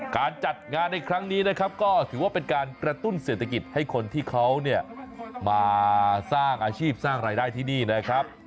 การจัดงานในครั้งนี้นะครับก็ถือว่าเป็นการกระตุ้นเศรษฐกิจให้คนที่เขาเนี่ยมาสร้างอาชีพสร้างรายได้ที่นี่นะครับ